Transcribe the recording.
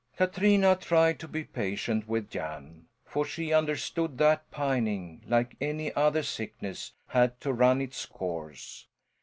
Katrina tried to be patient with Jan, for she understood that pining, like any other sickness, had to run its course.